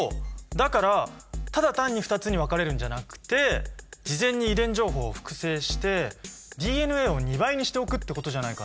だからただ単に２つに分かれるんじゃなくて事前に遺伝情報を複製してＤＮＡを２倍にしておくってことじゃないかな？